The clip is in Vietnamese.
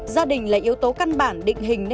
gia đình là yếu tố căn bản định hình